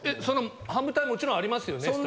そのハムタイもちろんありますよね？